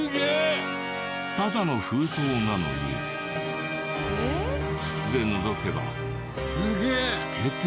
ただの封筒なのに筒でのぞけば透けて見えちゃう。